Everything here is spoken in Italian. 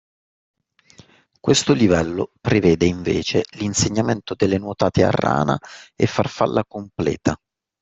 Questo livello prevede, invece, l’insegnamento delle nuotate a rana e farfalla completa